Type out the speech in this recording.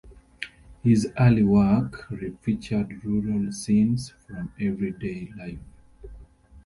His early work featured rural scenes from everyday life.